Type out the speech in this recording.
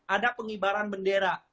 ada pengibaran bendera